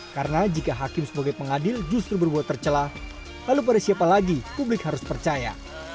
karena jika hakim sebagai pengadil justru berbuat tercelah lalu pada siapa lagi publik harus percaya